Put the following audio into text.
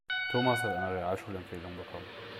Thomas hat eine Realschulempfehlung bekommen.